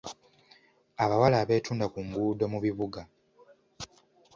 Abawala abeetunda ku nguudo mu bibuga.